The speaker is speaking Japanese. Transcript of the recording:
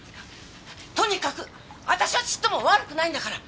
とにかく私はちっとも悪くないんだから！